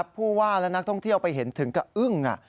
ผู้ว่าและนักท่องเที่ยวไปเห็นถึงกับอึ้ง